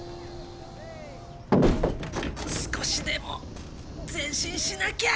少しでも前進しなきゃ。